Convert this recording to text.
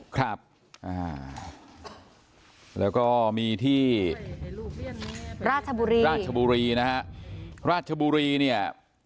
ครับแล้วก็มีที่ราชบุรีราชบุรีนะฮะราชบุรีเนี่ย